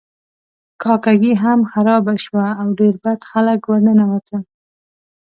کاکه ګي هم خرابه شوه او ډیر بد خلک ورننوتل.